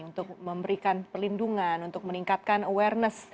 untuk memberikan perlindungan untuk meningkatkan awareness